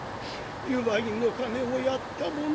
祝いの金をやったものを。